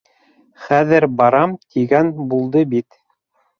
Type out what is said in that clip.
Хәҙер барам тигән булды бит.